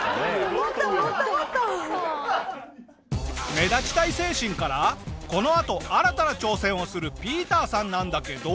目立ちたい精神からこのあと新たな挑戦をするＰＩＥＴＥＲさんなんだけど。